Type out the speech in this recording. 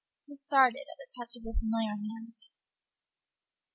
He started at the touch of the familiar hand.